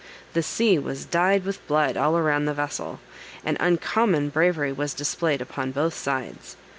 The sea was dyed with blood all around the vessel, and uncommon bravery was displayed upon both sides.